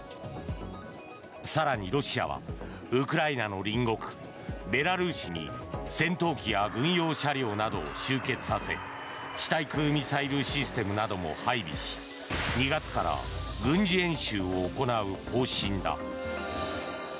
更にロシアはウクライナの隣国ベラルーシに戦闘機や軍用車両などを集結させ地対空ミサイルシステムなども配備し２月から軍事演習を行う方針だ。